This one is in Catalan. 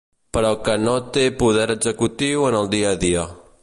Però que no té poder executiu en el dia a dia.